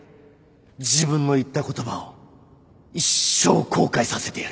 自分の言った言葉を一生後悔させてやる